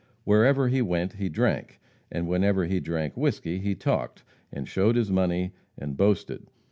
Wherever he went he drank, and whenever he drank whisky he talked, and showed his money and boasted.